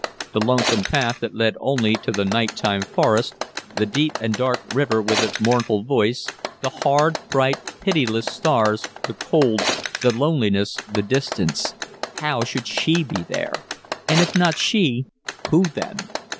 The lonesome path that led only to the night time forest, the deep and dark river with its mournful voice, the hard, bright, pitiless stars, the cold, the loneliness, the distance, how should she be there? And if not she, who then?